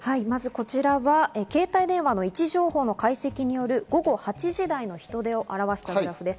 こちらは携帯電話の位置情報の解析による午後８時台の人出を表しています。